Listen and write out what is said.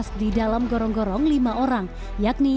berapa meter berapa